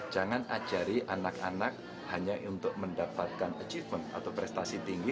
jangan ajari anak anak hanya untuk mendapatkan achievement atau prestasi tinggi